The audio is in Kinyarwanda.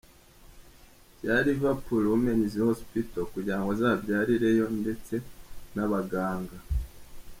bya Liverpool Women's Hospital kugira ngo azabyarireyo ndetse nabaganga.